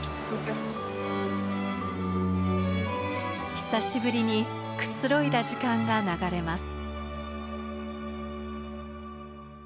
久しぶりにくつろいだ時間が流れます。